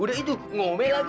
udah itu ngomel lagi